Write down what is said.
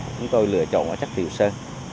chúng tôi lựa chọn vào chất liệu sơn